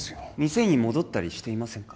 店に戻ったりしていませんか？